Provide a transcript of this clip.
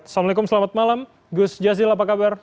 assalamualaikum selamat malam gus jazil apa kabar